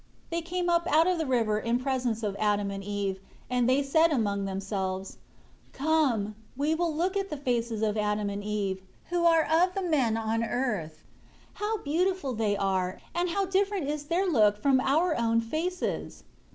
2 They came up out of the river in presence of Adam and Eve, and they said among themselves, "Come, we will look at the faces of Adam and Eve, who are of the men on earth. How beautiful they are, and how different is their look from our own faces."